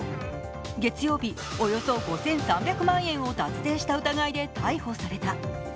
月曜日、およそ５３００万円を脱税した疑いで逮捕された。